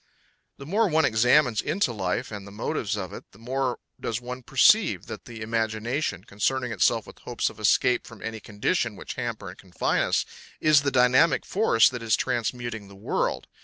The more one examines into life and the motives of it, the more does one perceive that the imagination, concerning itself with hopes of escape from any conditions which hamper and confine us, is the dynamic force that is transmuting the world.